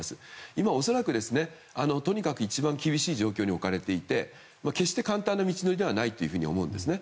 今、恐らくとにかく一番厳しい状況に置かれていて決して簡単な道のりではないと思うんですね。